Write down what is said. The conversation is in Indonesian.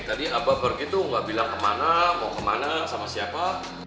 tadi abah pergi tuh nggak bilang kemana mau kemana sama siapa